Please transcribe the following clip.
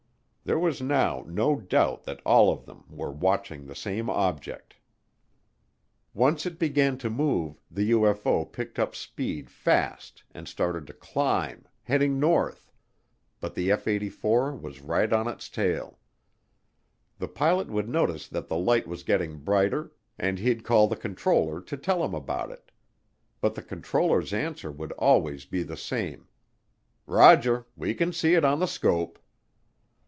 There was now no doubt that all of them were watching the same object. Once it began to move, the UFO picked up speed fast and started to climb, heading north, but the F 84 was right on its tail. The pilot would notice that the light was getting brighter, and he'd call the controller to tell him about it. But the controller's answer would always be the same, "Roger, we can see it on the scope."